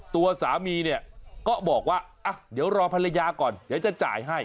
ตัวสามีเนี่ยก็บอกว่าเดี๋ยวรอภรรยาก่อนเดี๋ยวจะจ่ายให้